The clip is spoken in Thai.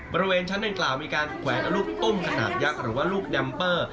บริเวณชั้นดังกล่าวมีการแขวนเอาลูกตุ้มขนาดยักษ์หรือว่าลูกแดมเปอร์